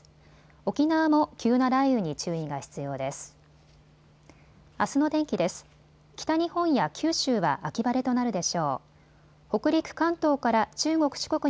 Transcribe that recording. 沖縄も急な雷雨に注意が必要です。